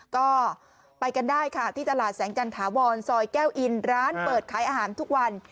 ก็ไปกันได้ค่ะที่ตลาดแสงจันถาวรซอยแก้วอินร้านเปิดขายอาหารทุกวัน